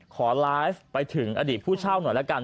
ขอไลฟ์ไปถึงอดีตผู้เช่าหน่อยละกัน